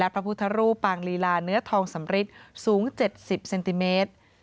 พระพุทธรูปางมารวิชัยเนื้อสัมฤทธิ์สูง๘๐เซนติเมตร